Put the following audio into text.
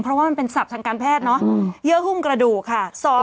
เพราะว่ามันเป็นศัพท์ทางการแพทย์เนอะเยื่อหุ้มกระดูกค่ะ